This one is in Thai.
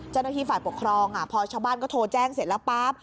เจ้าหน้าที่ฝ่ายปกครองพอชาวบ้านก็โทรแจ้งเสร็จแล้วปั๊บ